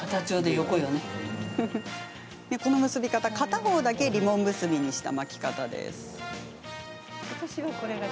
この結び方、片方だけリボン結びにした巻き方です。